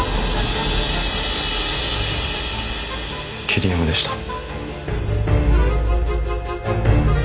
桐山でした。